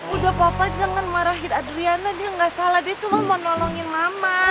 udah papa jangan marahin adriana dia nggak salah dia cuma mau nolongin mama